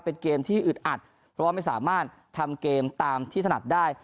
เป็นเกมที่อึดอัดเพราะว่าไม่สามารถทำเกมตามที่ถนัดได้